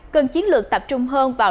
cần chiến lược tập trung